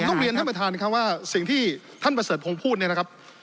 ต้องเรียนท่านประธานครับว่าสิ่งที่ท่านประเสริฐพงศ์พูดเนี่ยนะครับ